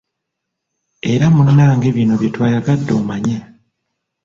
Era munnange bino bye twayagadde omanye.